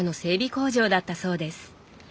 工場だったそうです。